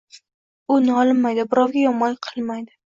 U nolimaydi, birovga yomonlik qilmaydi.